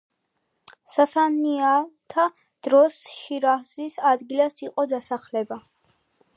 სასანიანთა დროს შირაზის ადგილას იყო დასახლება.